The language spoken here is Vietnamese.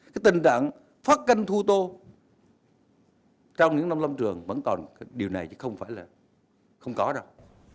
cái tình trạng phát canh thu tô trong những năm lâm trường vẫn còn điều này chứ không phải là không có đâu